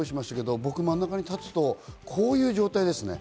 僕、真ん中に立つと、こういう状態です。